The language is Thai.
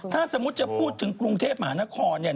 ถ้าสมมุติจะพูดถึงกรุงเทพมหานครเนี่ย